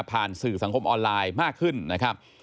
สื่อสังคมออนไลน์มากขึ้นนะครับ